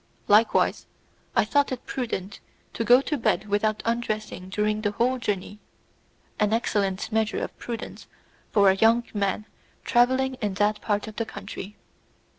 I likewise thought it prudent to go to bed without undressing during the whole journey an excellent measure of prudence for a young man travelling in that part of the country.